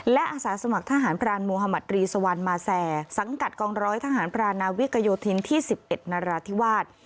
และอาสาสมัครทหารพรานมุธมัตรีสวรรณมาแซสังกัดกองร้อยทหารพรานาวิกโยธินที่๑๑นราธิวาส